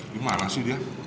gimana sih dia